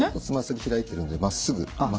つま先開いてるんでまっすぐ。